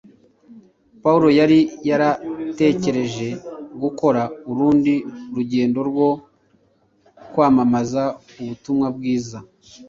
Pawulo yari yaratekereje gukora urundi rugendo rwo kwamamaza ubutumwa bwiza.